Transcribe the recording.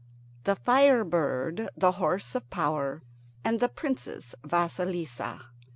THE FIRE BIRD, THE HORSE OF POWER, AND THE PRINCESS VASILISSA.